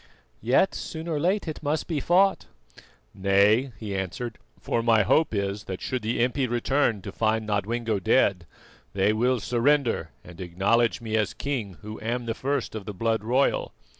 "Yet, soon or late, it must be fought." "Nay," he answered, "for my hope is that should the impi return to find Nodwengo dead, they will surrender and acknowledge me as king, who am the first of the blood royal.